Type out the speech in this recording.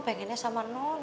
pengennya sama non